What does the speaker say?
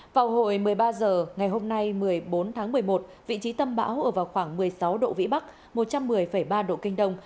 vào hồi một mươi ba h ngày hôm nay một mươi bốn tháng một mươi một vị trí tâm bão ở vào khoảng một mươi sáu độ vĩ bắc một trăm một mươi ba độ kinh đông